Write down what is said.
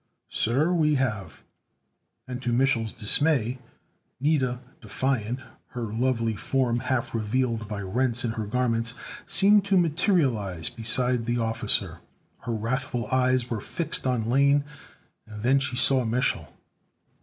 "Sir, we have." And to Mich'l's dismay, Nida, defiant, her lovely form half revealed by rents in her garments, seemed to materialize beside the officer. Her wrathful eyes were fixed on Lane, and then she saw Mich'l.